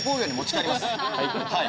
はい。